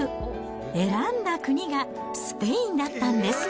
選んだ国がスペインだったんです。